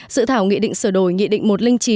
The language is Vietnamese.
dự thảo nghị định sửa đổi nghị định một trăm linh chín